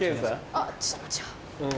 あっ小っちゃ。